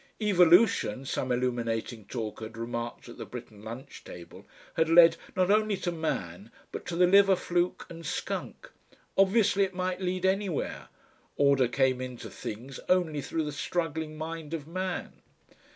Evolution, some illuminating talker had remarked at the Britten lunch table, had led not only to man, but to the liver fluke and skunk, obviously it might lead anywhere; order came into things only through the struggling mind of man.